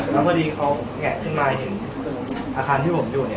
แล้วพอดีเขาแงะขึ้นมาเห็นอาคารที่ผมอยู่เนี่ย